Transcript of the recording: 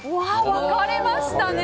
分かれましたね。